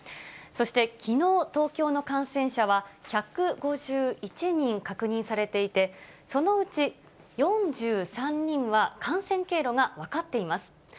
そしてきのう、東京の感染者は１５１人確認されていて、そのうち４３人は、感染経路が分かっています。